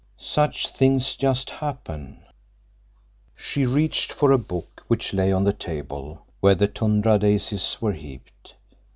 Such things just happen." She reached for a book which lay on the table where the tundra daisies were heaped.